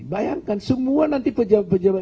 bayangkan semua nanti pejabat pejabat